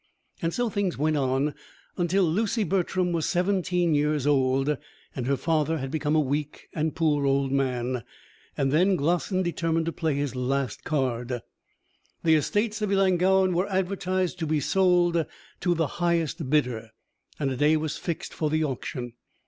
So things went on until Lucy Bertram was seventeen years old, and her father had become a weak and poor old man, and then Glossin determined to play his last card. The estates of Ellangowan were advertised to be sold to the highest bidder, and a day was fixed for the auction.